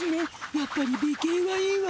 やっぱり美形はいいわ。